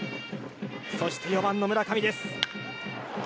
そして、４番の村上です。